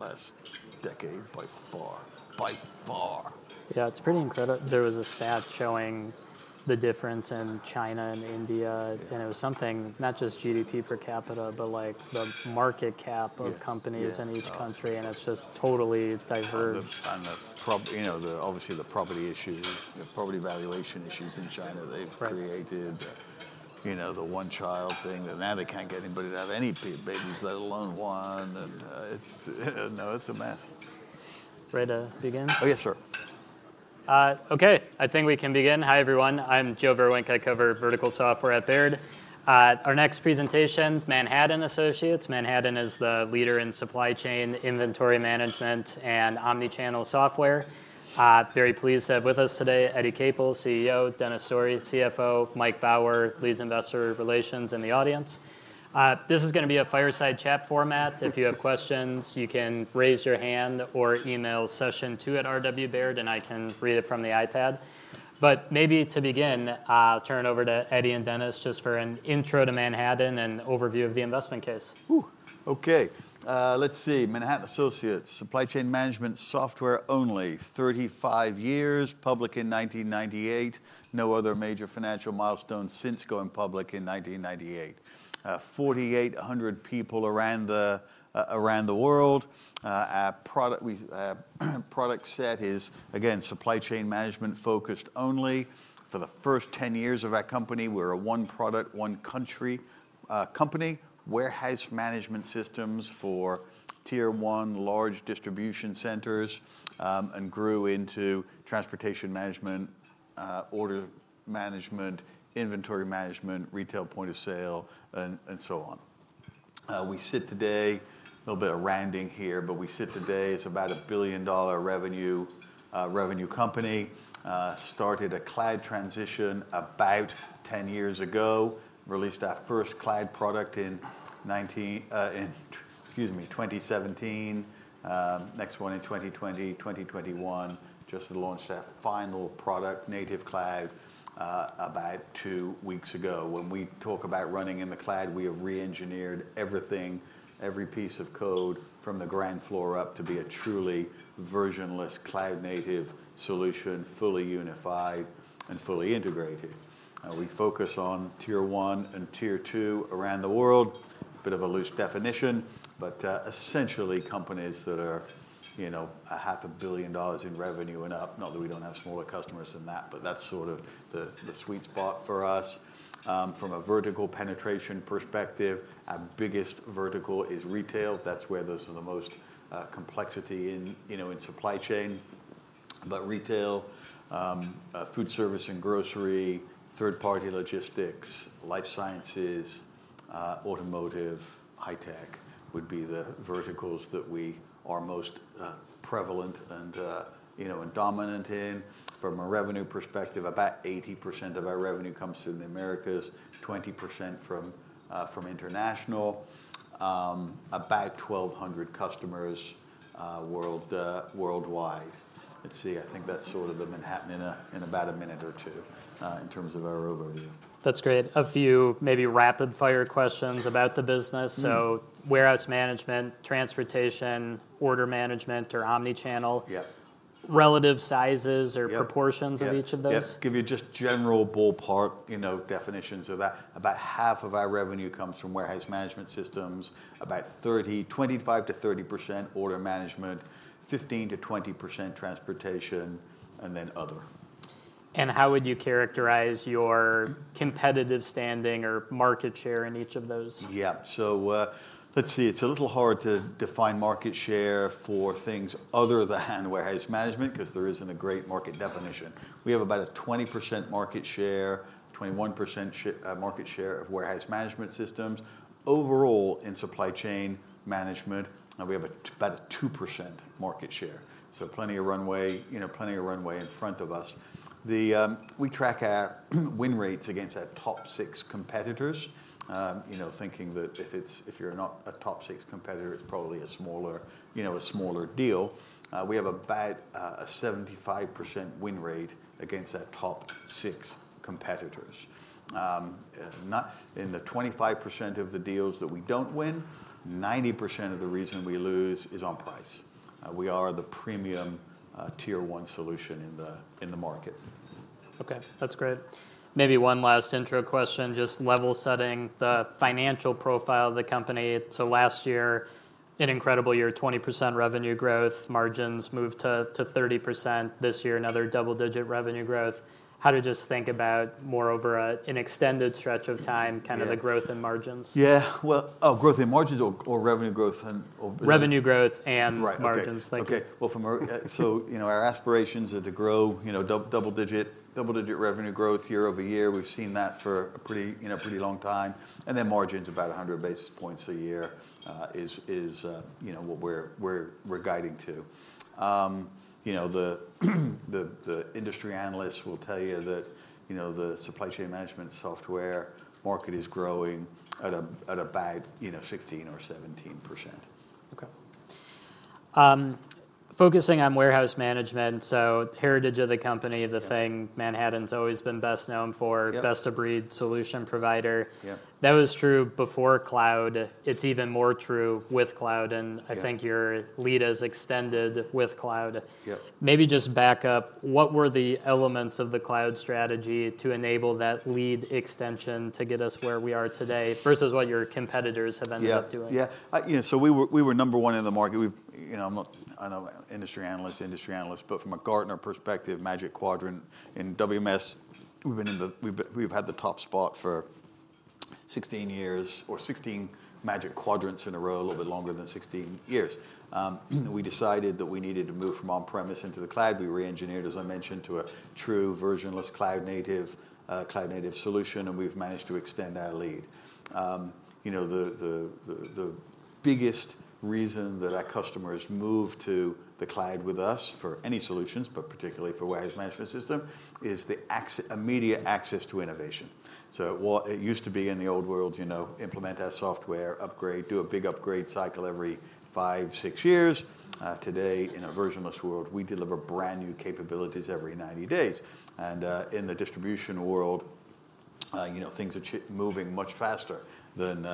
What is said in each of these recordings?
Last decade by far. By far Yeah, it's pretty incredible. There was a stat showing the difference in China and India, and it was something, not just GDP per capita, but, like, the market cap of companies- Yeah. -in each country, and it's just totally diverged. And you know, the obvious property issues, the property valuation issues in China they've created. Right. You know, the one-child thing, and now they can't get anybody to have any babies, let alone one, and it's a mess. Ready to begin? Oh, yes, sir. Okay, I think we can begin. Hi, everyone. I'm Joe Vruwink. I cover vertical software at Baird. Our next presentation, Manhattan Associates. Manhattan is the leader in supply chain inventory management and omni-channel software. Very pleased to have with us today, Eddie Capel, CEO, Dennis Story, CFO, Mike Bauer, leads investor relations in the audience. This is gonna be a fireside chat format. If you have questions, you can raise your hand or email sessiontwo@rwbaird, and I can read it from the iPad. But maybe to begin, I'll turn it over to Eddie and Dennis just for an intro to Manhattan and overview of the investment case. Woo! Okay, let's see, Manhattan Associates, supply chain management software only, 35 years, public in 1998. No other major financial milestone since going public in 1998. 4,800 people around the world. Our product set is, again, supply chain management focused only. For the first 10 years of our company, we're a one product, one country company. Warehouse management systems for tier one, large distribution centers, and grew into transportation management, order management, inventory management, retail point of sale, and so on. We sit today, a little bit of rounding here, but we sit today as about a $1 billion revenue company. Started a cloud transition about 10 years ago, released our first cloud product in 2017, next one in 2020. 2021, just launched our final product, native cloud, about two weeks ago. When we talk about running in the cloud, we have reengineered everything, every piece of code from the ground floor up, to be a truly versionless, cloud-native solution, fully unified and fully integrated. We focus on Tier 1 and Tier 2 around the world. Bit of a loose definition, but, essentially companies that are, you know, $500 million in revenue and up. Not that we don't have smaller customers than that, but that's sort of the, the sweet spot for us. From a vertical penetration perspective, our biggest vertical is retail. That's where there's the most complexity in, you know, in supply chain. But retail, food service and grocery, third-party logistics, life sciences, automotive, high tech would be the verticals that we are most prevalent and, you know, and dominant in. From a revenue perspective, about 80% of our revenue comes from the Americas, 20% from international, about 1,200 customers, world, worldwide. Let's see, I think that's sort of the Manhattan in a, in about a minute or two, in terms of our overview. That's great. A few maybe rapid-fire questions about the business. So warehouse management, transportation, order management, or omni-channel- Yeah. -relative sizes or- Yeah - proportions of each of those? Yeah. Yep. Give you just general ballpark, you know, definitions of that. About half of our revenue comes from warehouse management systems, about 25%-30% order management, 15%-20% transportation, and then other. How would you characterize your competitive standing or market share in each of those? Yeah. So, let's see. It's a little hard to define market share for things other than warehouse management, 'cause there isn't a great market definition. We have about a 20% market share, 21% market share of warehouse management systems. Overall, in supply chain management, we have about a 2% market share, so plenty of runway, you know, plenty of runway in front of us. We track our win rates against our top six competitors, you know, thinking that if it's - if you're not a top six competitor, it's probably a smaller, you know, a smaller deal. We have about a 75% win rate against our top six competitors. In the 25% of the deals that we don't win, 90% of the reason we lose is on price. We are the premium, Tier 1 solution in the market. Okay, that's great. Maybe one last intro question, just level setting the financial profile of the company. So last year, an incredible year, 20% revenue growth, margins moved to, to 30%. This year, another double-digit revenue growth. How to just think about, moreover, an extended stretch of time- Yeah -kind of the growth in margins? Yeah. Well, growth in margins or revenue growth and, or- Revenue growth and- Right. Okay -margins. Thank you. Okay. Well, from a... So, you know, our aspirations are to grow, you know, double-digit, double-digit revenue growth year-over-year. We've seen that for a pretty, you know, pretty long time, and then margins about 100 basis points a year is, you know, what we're guiding to. You know, the industry analysts will tell you that, you know, the supply chain management software market is growing at a, at about, you know, 16 or 17%. Okay. Focusing on warehouse management, so heritage of the company, the thing Manhattan's always been best known for- Yep. best-of-breed solution provider. Yeah. That was true before cloud. It's even more true with cloud, and- Yeah I think your lead has extended with cloud. Yep. Maybe just back up, what were the elements of the cloud strategy to enable that lead extension to get us where we are today, versus what your competitors have ended up doing? Yeah. You know, so we were number 1 in the market. We, you know, I know industry analysts, but from a Gartner perspective, Magic Quadrant in WMS, we've been, we've had the top spot for 16 years, or 16 Magic Quadrants in a row, a little bit longer than 16 years. We decided that we needed to move from on-premise into the cloud. We reengineered, as I mentioned, to a true version-less, cloud-native, cloud-native solution, and we've managed to extend our lead. You know, the biggest reason that our customers move to the cloud with us for any solutions, but particularly for warehouse management system, is the immediate access to innovation. So what it used to be in the old world, you know, implement our software, upgrade, do a big upgrade cycle every 5, 6 years. Today, in a version-less world, we deliver brand-new capabilities every 90 days. And in the distribution world, you know, things are changing, moving much faster than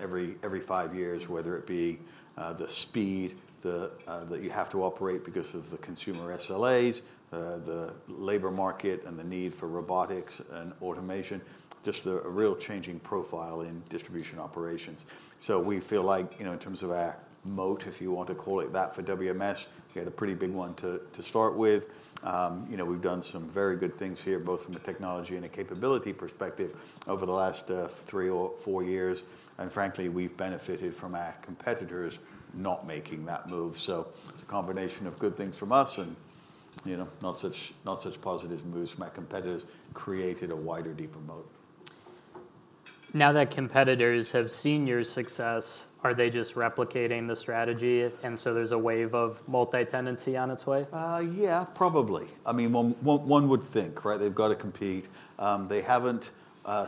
every 5 years, whether it be the speed that you have to operate because of the consumer SLAs, the labor market, and the need for robotics and automation, just a real changing profile in distribution operations. So we feel like, you know, in terms of our moat, if you want to call it that, for WMS, we had a pretty big one to start with. You know, we've done some very good things here, both from a technology and a capability perspective, over the last 3 or 4 years. Frankly, we've benefited from our competitors not making that move. It's a combination of good things from us and, you know, not such positive moves from our competitors, created a wider, deeper moat. Now that competitors have seen your success, are they just replicating the strategy, and so there's a wave of multi-tenancy on its way? Yeah, probably. I mean, one would think, right? They've got to compete. They haven't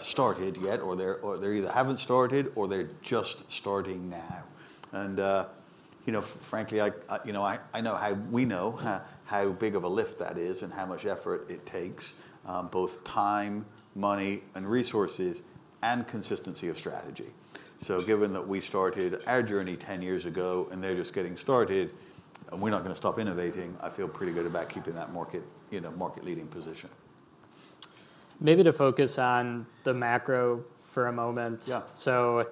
started yet, or they either haven't started or they're just starting now. And, you know, frankly, we know how big of a lift that is and how much effort it takes, both time, money, and resources, and consistency of strategy. So given that we started our journey 10 years ago, and they're just getting started, and we're not gonna stop innovating, I feel pretty good about keeping that market, you know, market leading position. Maybe to focus on the macro for a moment. Yeah.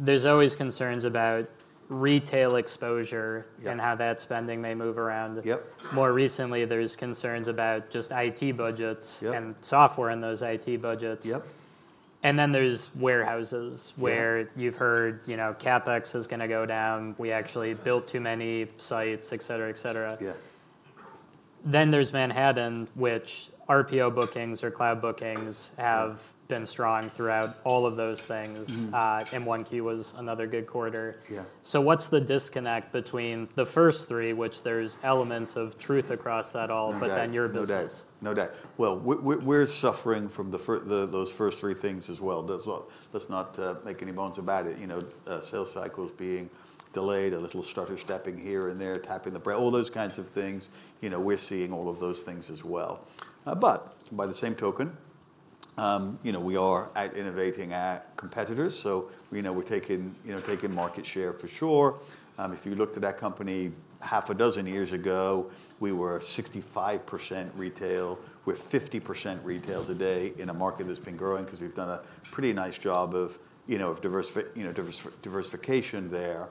There's always concerns about retail exposure- Yeah -and how that spending may move around. Yep. More recently, there's concerns about just IT budgets- Yep -and software in those IT budgets. Yep. And then there's warehouses- Yeah -where you've heard, you know, CapEx is gonna go down. We actually built too many sites, et cetera, et cetera. Yeah. Then there's Manhattan, which RPO bookings or cloud bookings have- Yeah -been strong throughout all of those things. Q1 was another good quarter. Yeah. So what's the disconnect between the first three, which there's elements of truth across that all- No doubt. -but then your business? No doubt. Well, we're suffering from the, those first three things as well. Let's, let's not, make any bones about it. You know, sales cycles being delayed, a little stutter-stepping here and there, tapping the brakes, all those kinds of things, you know, we're seeing all of those things as well. But by the same token, you know, we are out-innovating our competitors, so, you know, we're taking, you know, taking market share for sure. If you looked at that company half a dozen years ago, we were 65% retail. We're 50% retail today in a market that's been growing because we've done a pretty nice job of, you know, of diversification there.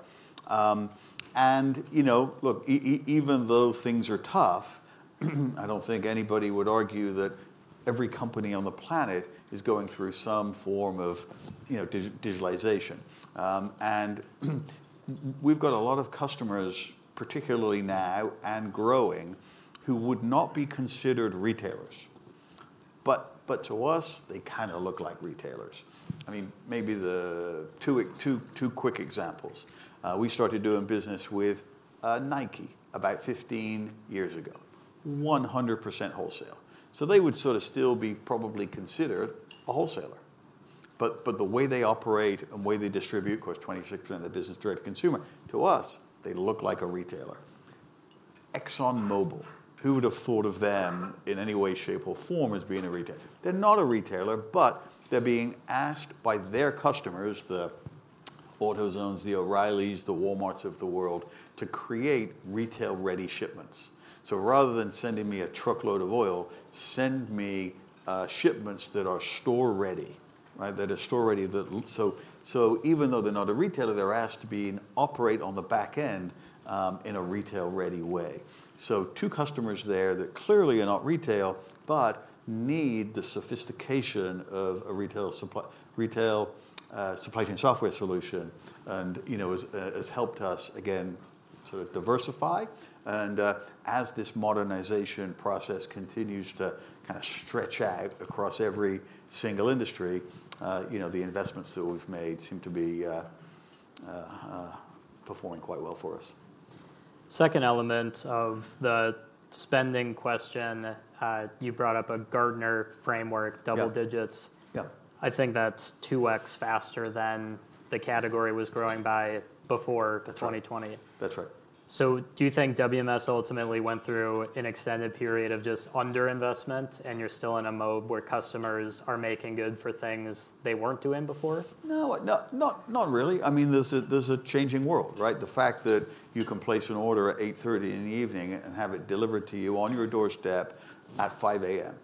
And, you know, look, even though things are tough, I don't think anybody would argue that every company on the planet is going through some form of, you know, digitalization. And we've got a lot of customers, particularly now and growing, who would not be considered retailers. But to us, they kinda look like retailers. I mean, maybe the two quick examples. We started doing business with Nike about 15 years ago, 100% wholesale. So they would sorta still be probably considered a wholesaler. But the way they operate and way they distribute, of course, 26% of the business, direct to consumer, to us, they look like a retailer. ExxonMobil, who would have thought of them in any way, shape, or form as being a retailer? They're not a retailer, but they're being asked by their customers, the AutoZones, the O'Reillys, the Walmarts of the world, to create retail-ready shipments. So rather than sending me a truckload of oil, send me shipments that are store-ready, right? That are store-ready. So even though they're not a retailer, they're asked to be operate on the back end in a retail-ready way. So two customers there that clearly are not retail, but need the sophistication of a retail supply chain software solution, and you know has helped us again, sort of diversify. As this modernization process continues to kinda stretch out across every single industry, you know, the investments that we've made seem to be performing quite well for us. Second element of the spending question, you brought up a Gartner framework, double digits. Yeah. I think that's 2x faster than the category was growing by before- That's right. -2020. That's right. Do you think WMS ultimately went through an extended period of just underinvestment, and you're still in a mode where customers are making good for things they weren't doing before? No, not really. I mean, there's a changing world, right? The fact that you can place an order at 8:30 P.M. and have it delivered to you on your doorstep at 5:00 A.M.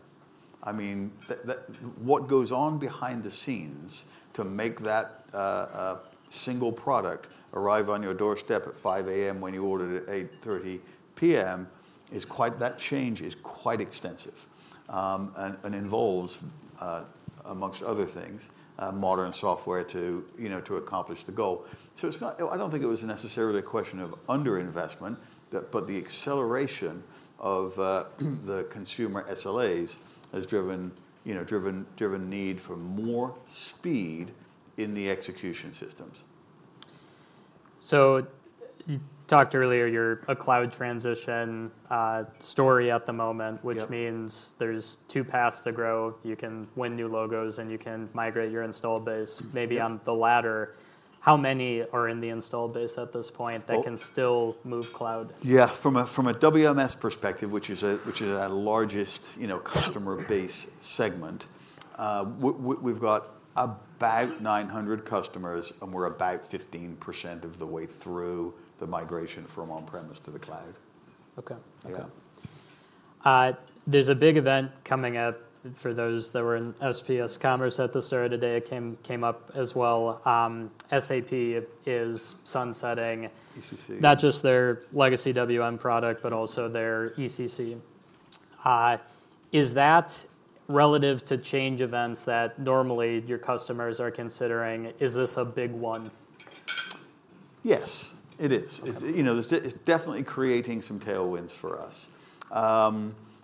I mean, that—what goes on behind the scenes to make that single product arrive on your doorstep at 5:00 A.M. when you ordered at 8:30 P.M., is quite extensive. That change is quite extensive. And involves, amongst other things, modern software to, you know, to accomplish the goal. So it's not—I don't think it was necessarily a question of underinvestment, but the acceleration of the consumer SLAs has driven, you know, the need for more speed in the execution systems. So you talked earlier, you're a cloud transition story at the moment- Yeah -which means there's two paths to grow. You can win new logos, and you can migrate your installed base. Yeah. Maybe on the latter, how many are in the installed base at this point that can still move cloud? Yeah, from a WMS perspective, which is our largest, you know, customer base segment, we've got about 900 customers, and we're about 15% of the way through the migration from on-premise to the cloud. Okay. Yeah. There's a big event coming up for those that were in SPS Commerce at the start of the day. It came up as well. SAP is sunsetting- ECC -not just their legacy WM product, but also their ECC. Is that relative to change events that normally your customers are considering? Is this a big one? Yes, it is. Okay. It's, you know, it's definitely creating some tailwinds for us.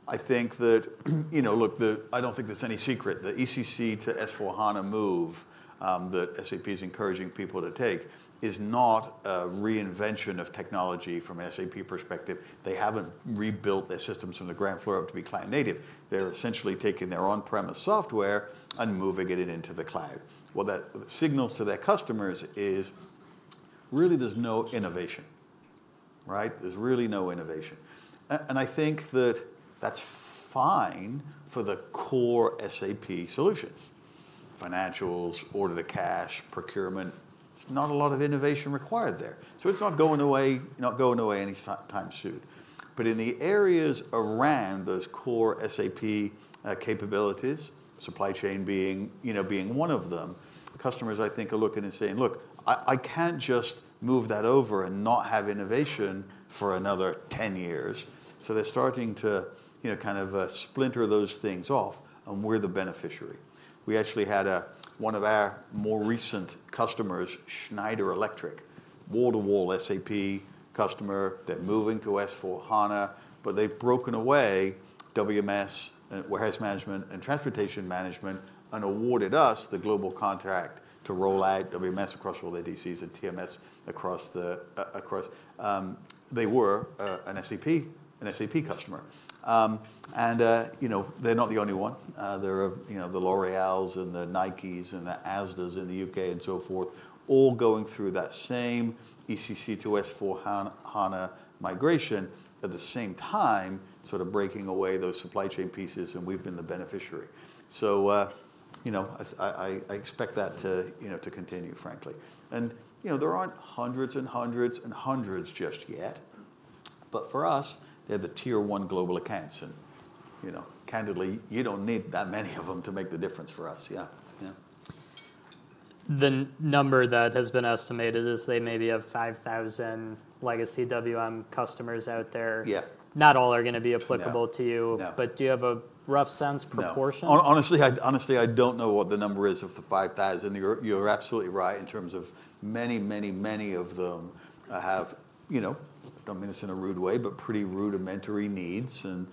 I think that, you know, look, I don't think there's any secret. The ECC to S/4HANA move that SAP is encouraging people to take is not a reinvention of technology from an SAP perspective. They haven't rebuilt their systems from the ground floor up to be cloud native. They're essentially taking their on-premise software and moving it into the cloud. What that signals to their customers is, really there's no innovation, right? There's really no innovation. And I think that that's fine for the core SAP solutions, financials, order to cash, procurement. There's not a lot of innovation required there. So it's not going away, not going away any time soon. But in the areas around those core SAP capabilities, supply chain being, you know, being one of them, customers, I think, are looking and saying: "Look, I can't just move that over and not have innovation for another 10 years." So they're starting to, you know, kind of splinter those things off, and we're the beneficiary. We actually had one of our more recent customers, Schneider Electric, wall-to-wall SAP customer. They're moving to S/4HANA, but they've broken away WMS, warehouse management and transportation management, and awarded us the global contract to roll out WMS across all their DCs and TMS across the across. They were an SAP, an SAP customer. And, you know, they're not the only one. There are, you know, the L'Oréals and the Nikes and the Asda in the U.K. and so forth, all going through that same ECC to S/4HANA migration, at the same time, sort of breaking away those supply chain pieces, and we've been the beneficiary. So, you know, I expect that to, you know, to continue, frankly. And, you know, there aren't hundreds and hundreds and hundreds just yet, but for us, they're the tier one global accounts, and, you know, candidly, you don't need that many of them to make the difference for us. Yeah. The number that has been estimated is they maybe have 5,000 legacy WM customers out there. Yeah. Not all are gonna be applicable to you. No. But do you have a rough sense proportion? No. Honestly, I don't know what the number is of the 5,000. You're absolutely right in terms of many of them have, you know, I don't mean this in a rude way, but pretty rudimentary needs, and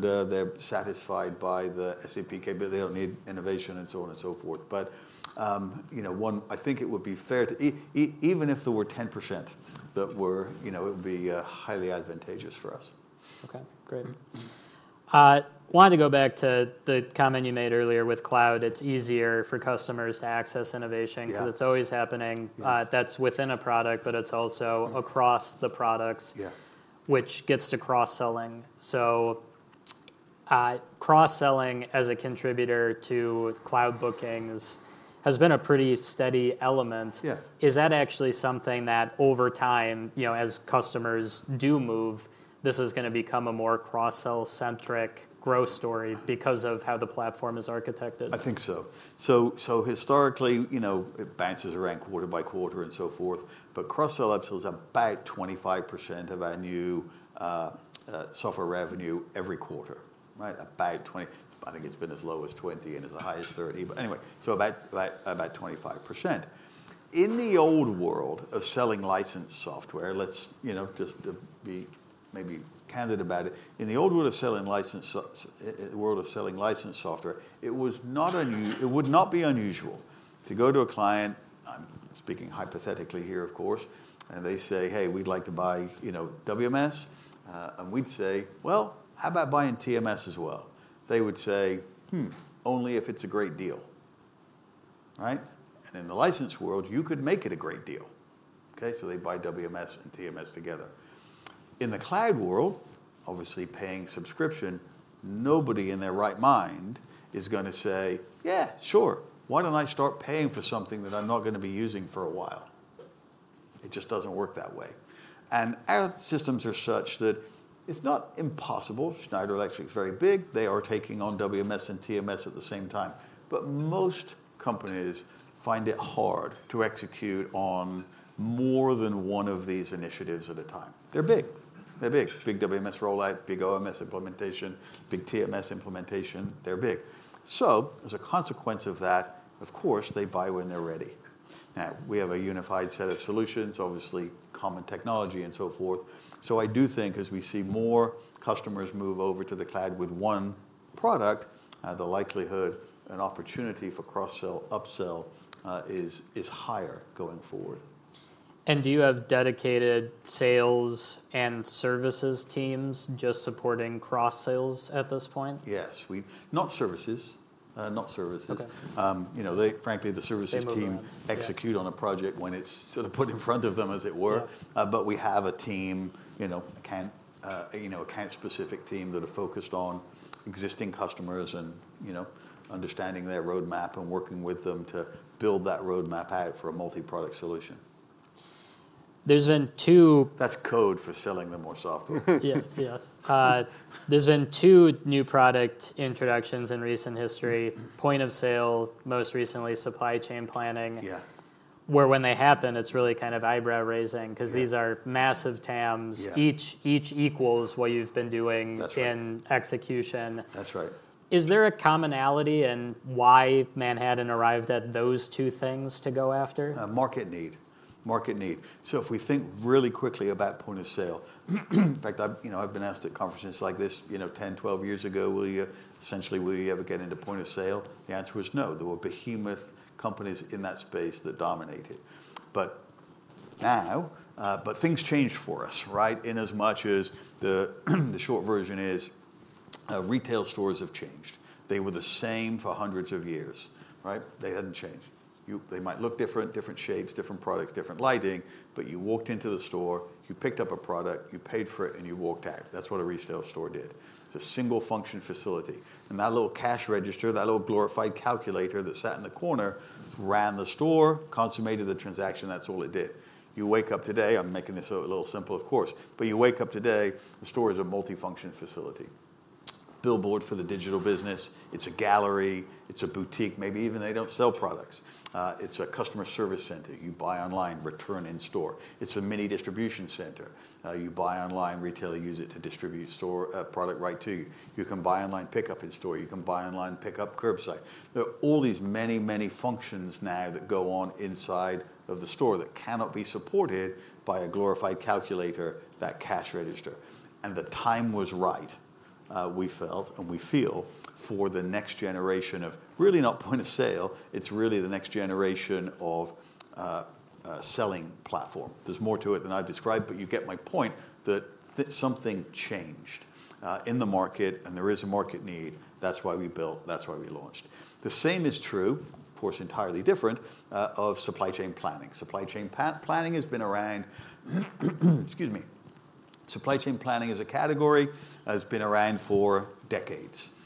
they're satisfied by the SAP capability. They don't need innovation and so on and so forth. But, you know, one, I think it would be fair to even if there were 10% that were, you know, it would be highly advantageous for us. Okay, great. Wanted to go back to the comment you made earlier. With cloud, it's easier for customers to access innovation- Yeah -'cause it's always happening. Yeah. That's within a product, but it's also across the products- Yeah -which gets to cross-selling. So, cross-selling as a contributor to cloud bookings has been a pretty steady element. Yeah. Is that actually something that over time, you know, as customers do move, this is gonna become a more cross-sell-centric growth story because of how the platform is architected? I think so. So, so historically, you know, it bounces around quarter by quarter and so forth, but cross-sell upsells are about 25% of our new software revenue every quarter, right? About 20. I think it's been as low as 20 and as high as 30. But anyway, so about 25%. In the old world of selling licensed software, let's, you know, just maybe candid about it. In the world of selling licensed software, it would not be unusual to go to a client, I'm speaking hypothetically here, of course, and they say: "Hey, we'd like to buy, you know, WMS." And we'd say: "Well, how about buying TMS as well?" They would say, "Hmm, only if it's a great deal." Right? And in the licensed world, you could make it a great deal, okay? So they buy WMS and TMS together. In the cloud world, obviously paying subscription, nobody in their right mind is gonna say: "Yeah, sure. Why don't I start paying for something that I'm not gonna be using for a while?" It just doesn't work that way. And our systems are such that it's not impossible. Schneider Electric is very big. They are taking on WMS and TMS at the same time. But most companies find it hard to execute on more than one of these initiatives at a time. They're big. Big WMS rollout, big OMS implementation, big TMS implementation, they're big. So as a consequence of that, of course, they buy when they're ready. We have a unified set of solutions, obviously, common technology, and so forth. So I do think as we see more customers move over to the cloud with one product, the likelihood and opportunity for cross-sell, upsell, is higher going forward. Do you have dedicated sales and services teams just supporting cross-sales at this point? Yes, we... Not services, not services. Okay. You know, they - frankly, the services team- They move around. -execute on a project when it's sort of put in front of them, as it were. Yeah. But we have a team, you know, account-specific team that are focused on existing customers and, you know, understanding their roadmap and working with them to build that roadmap out for a multi-product solution. There's been two- That's code for selling them more software. Yeah. There’s been two new product introductions in recent history, Point of Sale, most recently, Supply Chain Planning- Yeah -where when they happen, it's really kind of eyebrow-raising- Yeah -'cause these are massive TAMs. Yeah. Each equals what you've been doing- That's right -in execution. That's right. Is there a commonality in why Manhattan arrived at those two things to go after? Market need. So if we think really quickly about point of sale, in fact, I've, you know, I've been asked at conferences like this, you know, 10, 12 years ago, will you essentially, will you ever get into point of sale? The answer is no. There were behemoth companies in that space that dominated. But now, but things changed for us, right? In as much as the short version is, retail stores have changed. They were the same for hundreds of years, right? They hadn't changed. They might look different, different shapes, different products, different lighting, but you walked into the store, you picked up a product, you paid for it, and you walked out. That's what a retail store did. It's a single-function facility. That little cash register, that little glorified calculator that sat in the corner, ran the store, consummated the transaction. That's all it did. You wake up today. I'm making this a little simple, of course, but you wake up today, the store is a multi-function facility. Billboard for the digital business, it's a gallery, it's a boutique, maybe even they don't sell products. It's a customer service center. You buy online, return in store. It's a mini distribution center. You buy online, retailer use it to distribute store product right to you. You can buy online, pickup in store. You can buy online, pickup curbside. There are all these many, many functions now that go on inside of the store that cannot be supported by a glorified calculator, that cash register. And the time was right, we felt and we feel, for the next generation of really not point of sale, it's really the next generation of, selling platform. There's more to it than I've described, but you get my point that something changed, in the market, and there is a market need. That's why we built, that's why we launched. The same is true, of course, entirely different, of supply chain planning. Supply chain planning has been around, excuse me, supply chain planning as a category, has been around for decades.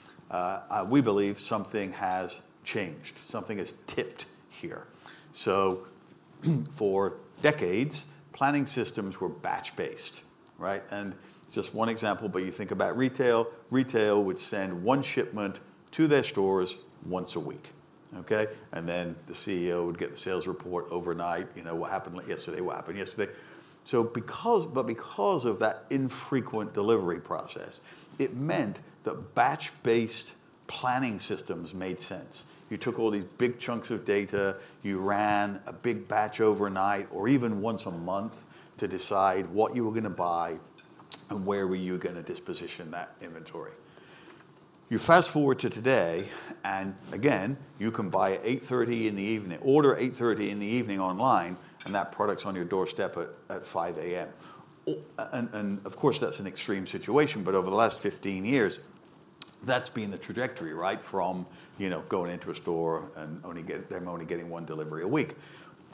We believe something has changed, something has tipped here. So for decades, planning systems were batch-based, right? And just one example, but you think about retail, retail would send one shipment to their stores once a week, okay? And then the CEO would get the sales report overnight. You know, what happened yesterday, what happened yesterday? But because of that infrequent delivery process, it meant that batch-based planning systems made sense. You took all these big chunks of data, you ran a big batch overnight or even once a month, to decide what you were gonna buy and where were you gonna disposition that inventory. You fast-forward to today, and again, you can buy at 8:30 in the evening, order 8:30 in the evening online, and that product's on your doorstep at 5:00 A.M. And of course, that's an extreme situation, but over the last 15 years, that's been the trajectory, right? From, you know, going into a store and only getting one delivery a week.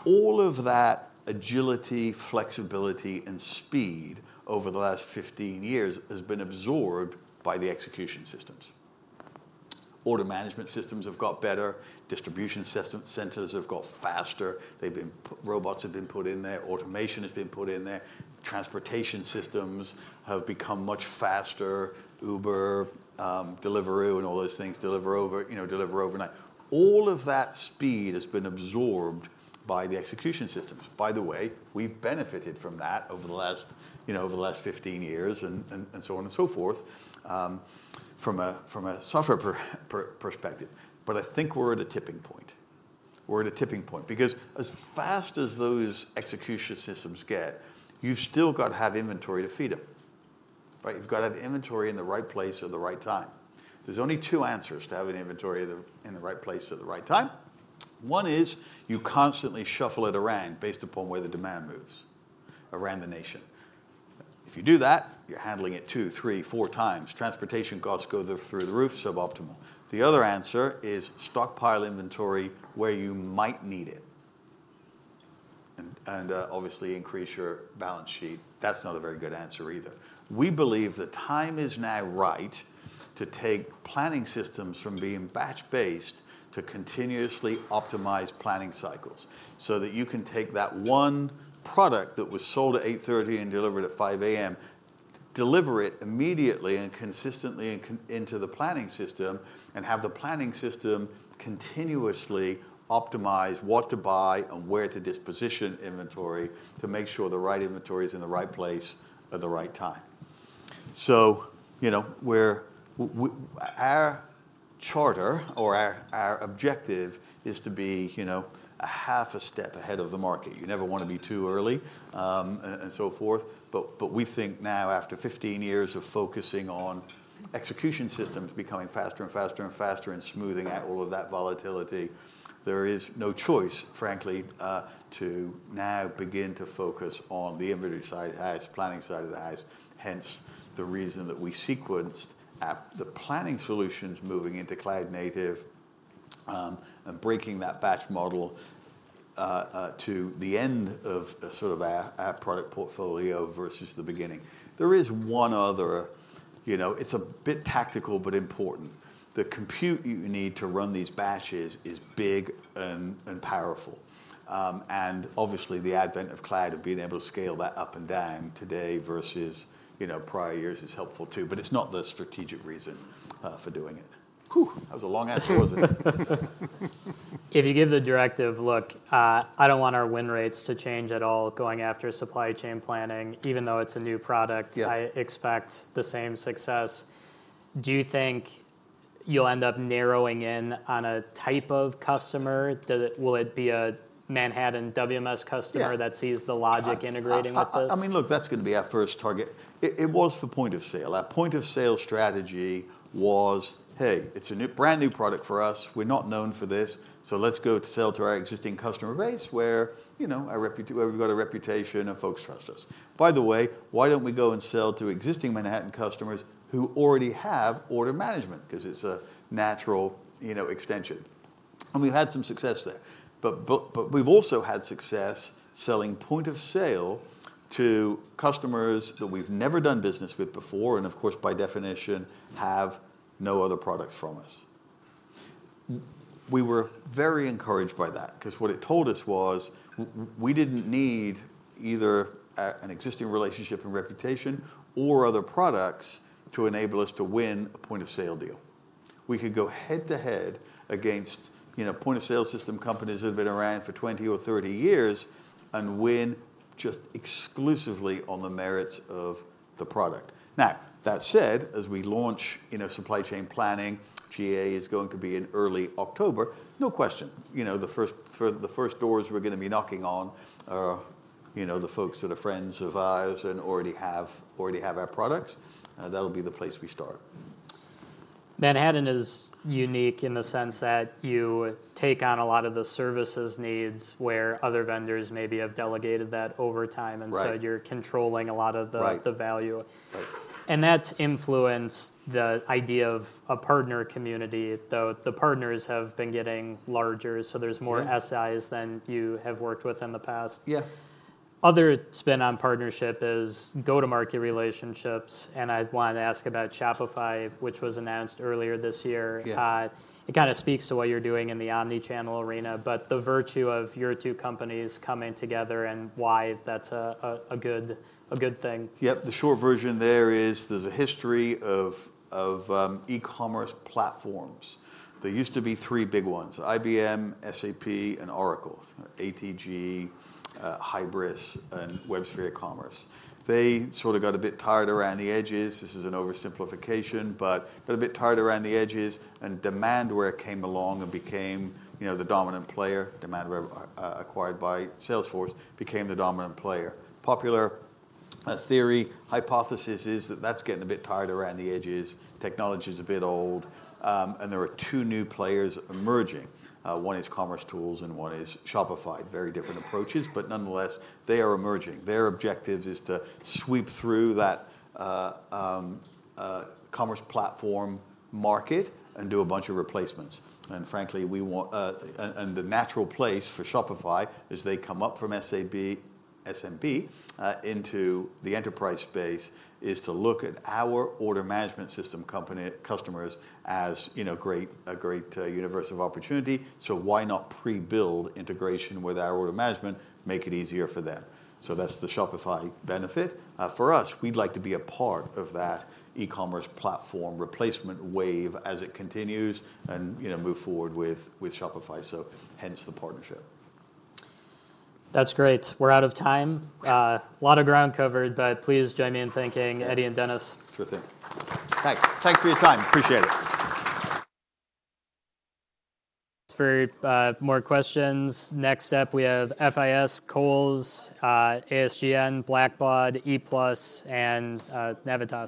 All of that agility, flexibility, and speed over the last 15 years has been absorbed by the execution systems. Order management systems have got better, distribution system centers have got faster. They've been putting robots in there, automation has been put in there, transportation systems have become much faster. Uber, Deliveroo, and all those things, deliver over, you know, deliver overnight. All of that speed has been absorbed by the execution systems. By the way, we've benefited from that over the last, you know, over the last 15 years, and so on and so forth, from a software perspective. But I think we're at a tipping point, we're at a tipping point, because as fast as those execution systems get, you've still got to have inventory to feed them, right? You've got to have inventory in the right place at the right time. There's only two answers to having inventory at the, in the right place at the right time. One is, you constantly shuffle it around based upon where the demand moves around the nation. If you do that, you're handling it two, three, four times. Transportation costs go through the roof. Suboptimal. The other answer is stockpile inventory where you might need it, and, and obviously increase your balance sheet. That's not a very good answer either. We believe the time is now right to take planning systems from being batch-based to continuously optimize planning cycles, so that you can take that one product that was sold at 8:30 A.M. and delivered at 5:00 A.M., deliver it immediately and consistently into the planning system, and have the planning system continuously optimize what to buy and where to disposition inventory to make sure the right inventory is in the right place at the right time. So, you know, we're our charter or our objective is to be, you know, a half a step ahead of the market. You never want to be too early, and so forth. But we think now, after 15 years of focusing on execution systems becoming faster and faster and faster and smoothing out all of that volatility, there is no choice, frankly, to now begin to focus on the inventory side as planning side of the house. Hence, the reason that we sequenced the planning solutions moving into cloud native, and breaking that batch model, to the end of sort of our product portfolio versus the beginning. There is one other, you know, it's a bit tactical, but important. The compute you need to run these batches is big and powerful. And obviously, the advent of cloud and being able to scale that up and down today versus, you know, prior years is helpful, too, but it's not the strategic reason for doing it. Whew! That was a long answer, wasn't it? If you give the directive, "Look, I don't want our win rates to change at all going after supply chain planning, even though it's a new product- Yeah. -“I expect the same success,” do you think you'll end up narrowing in on a type of customer? Will it be a Manhattan WMS customer? Yeah That sees the logic integrating with this? I mean, look, that's going to be our first target. It was for point of sale. Our point of sale strategy was, hey, it's a new, brand-new product for us. We're not known for this, so let's go to sell to our existing customer base, where, you know, our reputation - where we've got a reputation and folks trust us. By the way, why don't we go and sell to existing Manhattan customers who already have order management? Because it's a natural, you know, extension. And we've had some success there. But we've also had success selling point of sale to customers that we've never done business with before, and of course, by definition, have no other products from us. We were very encouraged by that because what it told us was we didn't need either a, an existing relationship and reputation or other products to enable us to win a point-of-sale deal. We could go head-to-head against, you know, point-of-sale system companies that have been around for 20 or 30 years and win just exclusively on the merits of the product. Now, that said, as we launch, you know, supply chain planning, GA is going to be in early October. No question, you know, the first doors we're gonna be knocking on are, you know, the folks that are friends of ours and already have, already have our products. That'll be the place we start. Manhattan is unique in the sense that you take on a lot of the services needs where other vendors maybe have delegated that over time. Right. And so you're controlling a lot of the- Right -the value. Right. That's influenced the idea of a partner community, though the partners have been getting larger, so there's more- Yeah SIs than you have worked with in the past. Yeah. Other spin on partnership is go-to-market relationships, and I want to ask about Shopify, which was announced earlier this year. Yeah. It kind of speaks to what you're doing in the omni-channel arena, but the virtue of your two companies coming together and why that's a good thing. Yep, the short version there is, there's a history of, e-commerce platforms. There used to be three big ones: IBM, SAP, and Oracle, ATG, Hybris, and WebSphere Commerce. They sort of got a bit tired around the edges. This is an oversimplification, but got a bit tired around the edges, and Demandware came along and became, you know, the dominant player. Demandware, acquired by Salesforce, became the dominant player. Popular theory, hypothesis is that that's getting a bit tired around the edges. Technology is a bit old, and there are two new players emerging. One is commercetools, and one is Shopify. Very different approaches, but nonetheless, they are emerging. Their objectives is to sweep through that, commerce platform market and do a bunch of replacements. And frankly, we want... And the natural place for Shopify is they come up from SAP, SMB, into the enterprise space, is to look at our order management system company, customers as, you know, great, a great, universe of opportunity. So why not pre-build integration with our order management, make it easier for them? So that's the Shopify benefit. For us, we'd like to be a part of that e-commerce platform replacement wave as it continues and, you know, move forward with, with Shopify, so hence the partnership. That's great. We're out of time. A lot of ground covered, but please join me in thanking Eddie and Dennis. Sure thing. Thank you for your time. Appreciate it. For more questions, next up, we have FIS, Kohl's, ASGN, Blackbaud, ePlus, and Navitas.